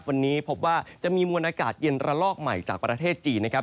วันนี้พบว่าจะมีมวลอากาศเย็นระลอกใหม่จากประเทศจีนนะครับ